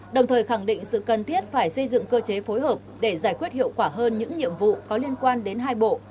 đồng thời khẳng định sự cần thiết phải xây dựng cơ chế phối hợp để giải quyết hiệu quả hơn những nhiệm vụ có liên quan đến hai bộ